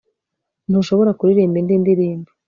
Ntushobora kuririmba indi ndirimbo